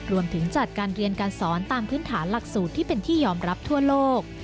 รวมถึงจัดการเรียนการสอนตามพื้นฐานหลักสูตรที่เป็นที่ยอมรับทั่วโลก